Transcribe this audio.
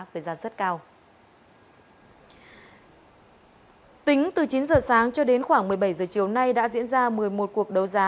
với giá rất cao tính từ chín giờ sáng cho đến khoảng một mươi bảy giờ chiều nay đã diễn ra một mươi một cuộc đấu giá